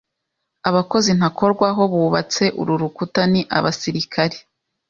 Abakozi ntakorwaho bubatse uru rukuta ni abasirikari,